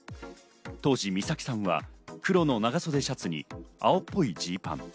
当時、美咲さんは黒の長袖シャツに青っぽいジーパン。